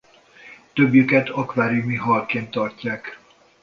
Többjüket akváriumi halként tartják.